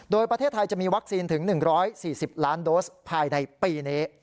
โดยประเทศไทยจะมีวัคซีนถึง๑๔๐ล้านโดสภายในปีนี้